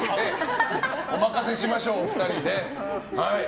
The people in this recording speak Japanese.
お任せしましょう、お二人に。